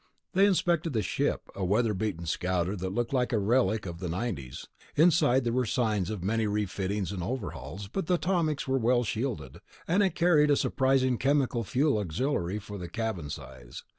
They inspected the ship, a weatherbeaten scouter that looked like a relic of the '90's. Inside there were signs of many refittings and overhauls, but the atomics were well shielded, and it carried a surprising chemical fuel auxiliary for the cabin size.